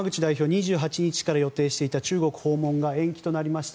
２８日から予定していた中国訪問が延期になりました。